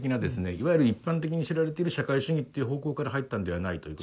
いわゆる一般的に知られてる社会主義っていう方向から入ったんではないということですね。